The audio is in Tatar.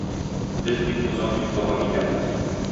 Без бик озак йоклаган икәнбез.